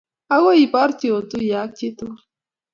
akoi iborye otuiye ak chii tugul